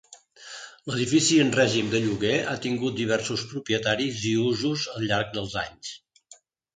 L'edifici, en règim de lloguer, ha tingut diversos propietaris i usos al llarg dels anys.